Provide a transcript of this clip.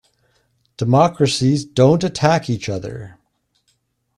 Democracies don't attack each other.